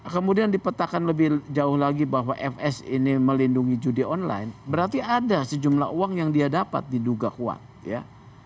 kemudian dipetakan lebih jauh lagi bahwa fs ini melindungi judi online berarti ada sejumlah uang yang dia dapat diduga kuat ya